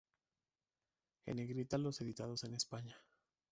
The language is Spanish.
En negrita los editados en España.